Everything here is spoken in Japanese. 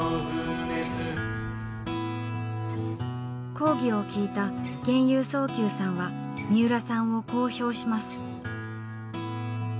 講義を聴いた玄侑宗久さんはみうらさんをこう評します。